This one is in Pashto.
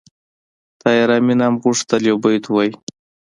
طاهر آمین هم غوښتل یو بیت ووایي